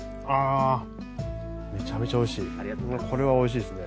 あめちゃめちゃ美味しい。